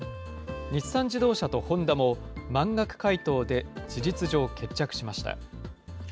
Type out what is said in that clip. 日産自動車とホンダも、満額回答で事実上、決着しました。